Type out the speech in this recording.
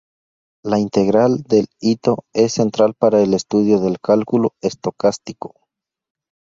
La integral del Itō es central para el estudio de cálculo estocástico.